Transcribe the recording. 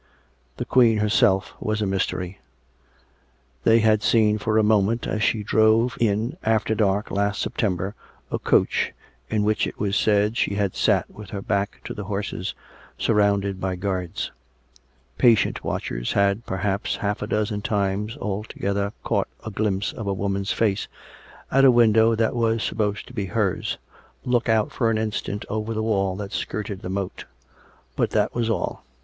The Queen herself was a mystery. They had seen, for a moment, as she drove in after dark last September, a coach (in which, it was said, she had sat with her back to the horses) surrounded by guards; patient watchers had, perhaps, half a dozen times altogether caught a glimpse of a woman's face, at a window that was supposed to be hers, look out for an instant over the wall that skirted the moat. But that was all.